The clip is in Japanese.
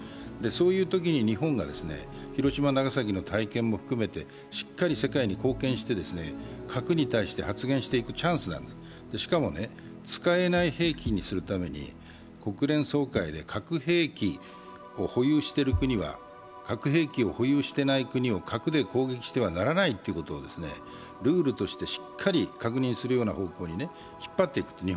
そういうときに日本が広島・長崎の体験も含めてしっかり世界に貢献して核に対して発言していくチャンスなんだ、しかも使えない兵器にするために国連総会で核兵器を保有している国は核兵器を保有していない国を核で攻撃してはならないということをルールとしてしっかり確認するような方向に日本が引っ張っていく。